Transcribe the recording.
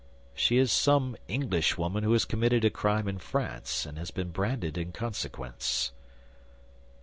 "She is some Englishwoman who has committed a crime in France, and has been branded in consequence."